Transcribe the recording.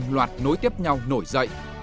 loạt nối tiếp nhau nổi dậy